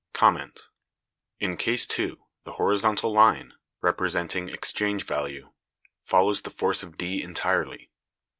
In case (2) the horizontal line, representing exchange value, follows the force of D entirely.